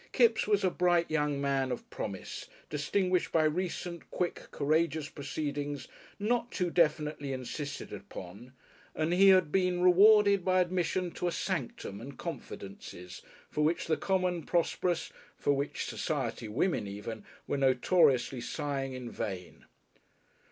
Kipps was a bright young man of promise, distinguished by recent quick, courageous proceedings not too definitely insisted upon, and he had been rewarded by admission to a sanctum and confidences, for which the common prosperous, for which "society women" even, were notoriously sighing in vain.